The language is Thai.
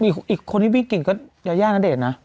อีกคนที่วิ่งกลิ่นก็ยานาเดศน่ะ